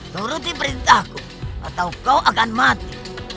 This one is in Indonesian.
turuti perintahku atau kau akan mati